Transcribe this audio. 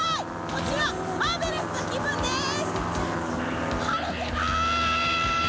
こちらマーベラスな気分です！